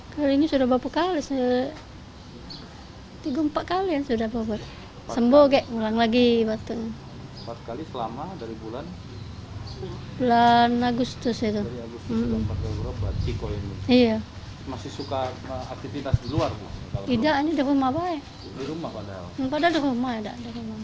paling kalau ngantar sekolah baik luar kan sudah tuh sudah masuk